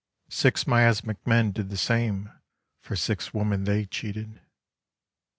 Six miasmic men did the same for six women they cheated.